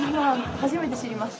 初めて知りました。